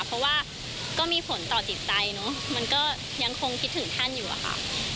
เพราะว่าก็มีผลต่อจิตใจเนอะมันก็ยังคงคิดถึงท่านอยู่อะค่ะ